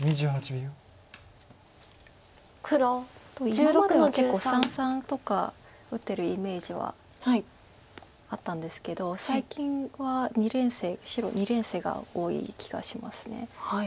今までは結構三々とか打ってるイメージはあったんですけど最近は白二連星が多い気がします。